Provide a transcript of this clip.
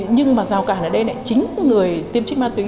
nhưng mà rào cản ở đây lại chính người tiêm trích ma túy